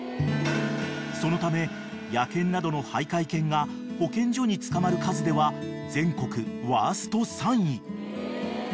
［そのため野犬などの徘徊犬が保健所に捕まる数では全国ワースト３位］